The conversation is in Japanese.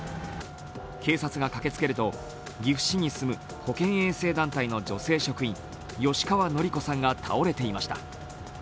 警察が駆けつけると岐阜市に住む保健衛生団体の職員吉川典子さんが倒れていました。